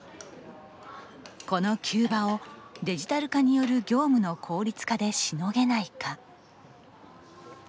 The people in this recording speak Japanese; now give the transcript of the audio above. この急場をデジタル化による業務の効率化でしのげないか。